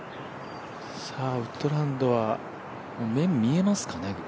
ウッドランドは面見えますかね？